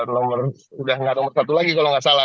nomor udah nggak nomor satu lagi kalau nggak salah